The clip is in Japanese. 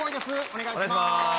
お願いします。